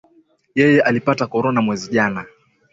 Yeye alipata korona mwezi jana